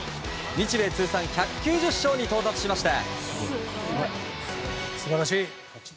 日米通算１９０勝に到達しました。